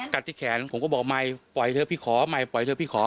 กัดที่แขนกัดที่แขนผมก็บอกไม่ปล่อยเธอพี่ขอ